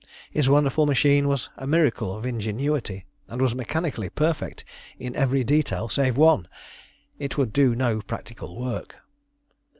His wonderful machine was a miracle of ingenuity, and was mechanically perfect in every detail save one it would do no practical work.